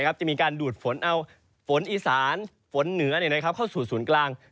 จะมีการดูดฝนเอาฝนอีสานฝนเหนือเข้าสู่ศูนย์กลาง